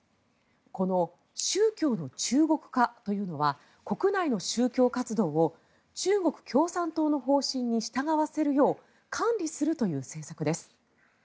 この宗教の中国化というのは国内の宗教活動を中国共産党の方針に従わせるよう管理するという政策です。